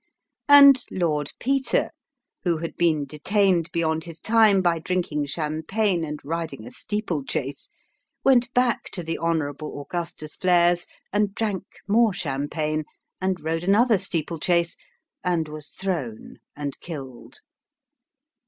And Lord Peter, who had been detained beyond his time by drinking champagne and riding a steeple chase, went back to the Honourable Augustus Flair's, and drank more champagne, and rode another steeple chase, and was thrown and killed.